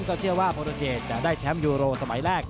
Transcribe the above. ก็เชื่อว่าโปรตูเกตจะได้แชมป์ยูโรสมัยแรก